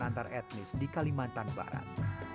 antar etnis di kalimantan barat